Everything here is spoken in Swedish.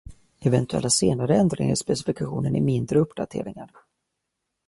Eventuella senare ändringar i specifikationen är mindre uppdateringar.